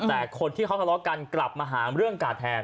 แต่คนที่เขาทะเลาะกันกลับมาหาเรื่องกาดแทน